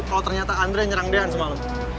kalau ternyata andre nyerang dean semalam